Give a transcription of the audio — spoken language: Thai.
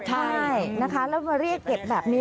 ใช่นะคะแล้วมาเรียกเก็บแบบนี้